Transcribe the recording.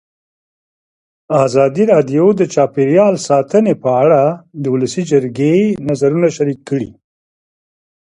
ازادي راډیو د چاپیریال ساتنه په اړه د ولسي جرګې نظرونه شریک کړي.